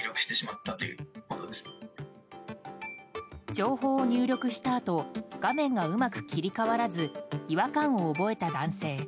情報を入力したあと画面がうまく切り替わらず違和感を覚えた男性。